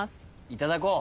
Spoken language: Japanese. いただこう。